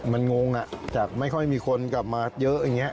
มันงงจากไม่ค่อยมีคนกลับมาเยอะอย่างนี้